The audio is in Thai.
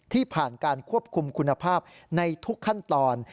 ที่ผ่านการควบคุมคุณภาพในทุกขั้นตอน